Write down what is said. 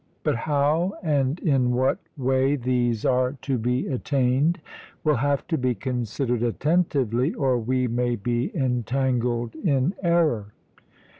But how and in what way these are to be attained, will have to be considered attentively, or we may be entangled in error.